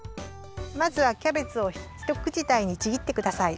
まずはキャベツをひとくちだいにちぎってください。